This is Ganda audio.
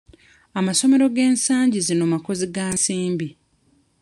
Amasomero g'ensangi zino makozi ga nsimbi.